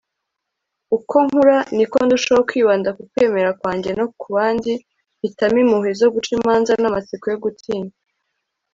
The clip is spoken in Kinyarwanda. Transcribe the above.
uko nkura, niko ndushaho kwibanda ku kwemera kwanjye no ku bandi, mpitamo impuhwe zo guca imanza n'amatsiko yo gutinya